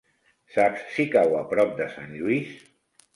Saps si cau a prop de Sant Lluís?